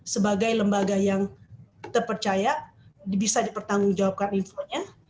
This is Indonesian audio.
sebagai lembaga yang terpercaya bisa dipertanggungjawabkan infonya